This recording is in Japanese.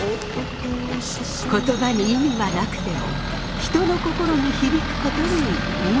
言葉に意味はなくても人の心に響くことに意味がある。